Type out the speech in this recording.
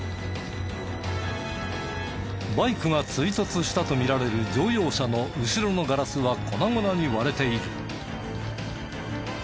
バイクが追突したとみられる乗用車の後ろのガラスは粉々に割れている。